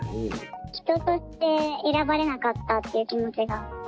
人として選ばれなかったっていう気持ちがあって。